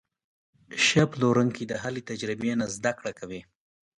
ښه پلورونکی د هرې تجربې نه زده کړه کوي.